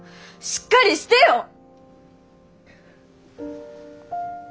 しっかりしてよ！